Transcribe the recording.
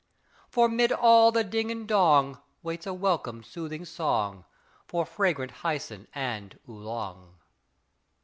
For 'mid all the ding and dong Waits a welcome soothing song, For fragrant Hyson and Oolong.